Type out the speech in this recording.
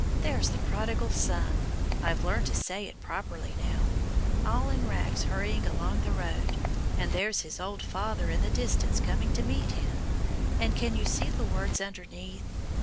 There's the prodigal son I've learned to say it properly now all in rags hurrying along the road, and there's his old father in the distance coming to meet him; and can you see the words underneath?